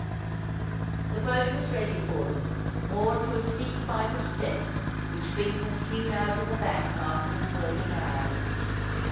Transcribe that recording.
The boat was ready for them, moored to a steep flight of steps which Bink had hewn out of the bank after his working hours.